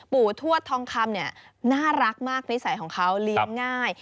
ทวดทองคำเนี่ยน่ารักมากนิสัยของเขาเลี้ยงง่าย